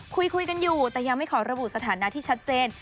คุยกันอยู่แต่ยังไม่ขอระบุสถานะที่ชัดเจน